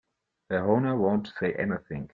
Her Honor won't say anything.